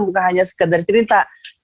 bukan hanya sekedar cerita